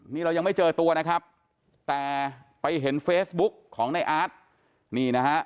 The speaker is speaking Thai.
นี่เรายังไม่เจอตัวนะครับแต่ไปเห็นเฟซบุ๊กของในอาร์ตนี่นะฮะ